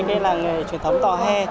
đây là nghề truyền thống tòa hè